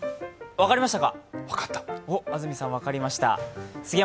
分かりました。